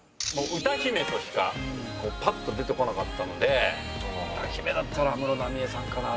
歌姫とかしかぱっと出てこなかったので歌姫だったら安室奈美恵さんかな。